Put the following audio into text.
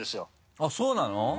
あっそうなの？